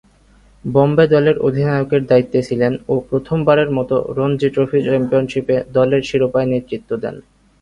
বোম্বে দলের অধিনায়কের দায়িত্বে ছিলেন ও প্রথমবারের মতো রঞ্জী ট্রফি চ্যাম্পিয়নশীপে দলের শিরোপায় নেতৃত্ব দেন।